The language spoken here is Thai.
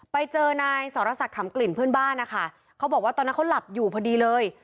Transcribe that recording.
ไปเจอนายสรษักขำกลิ่นเพื่อนบ้านนะคะเขาบอกว่าตอนนั้นเขาหลับอยู่พอดีเลย